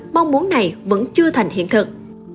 mong muốn này vẫn chưa thành hiện thực